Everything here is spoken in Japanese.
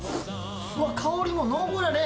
うわっ香りも濃厚やね